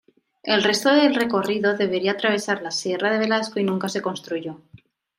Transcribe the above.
El resto del recorrido debería atravesar la Sierra de Velasco y nunca se construyó.